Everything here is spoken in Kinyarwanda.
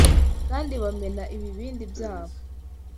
kandi bamena ibibindi byabo